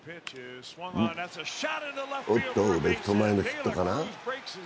おっと、レフト前のヒットかな。